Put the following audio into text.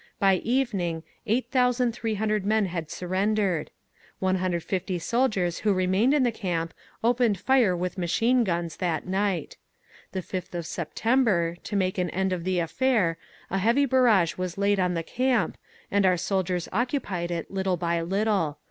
By evening 8,300 men had surrendered. 150 soldiers who remained in the camp opened fire with machine guns that night. The 5th of September, to make an end of the affair, a heavy barrage was laid on the camp, and our soldiers occupied it little by little.